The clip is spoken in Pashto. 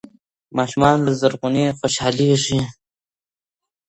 ماشومان له زرغونې خوشحالېږي.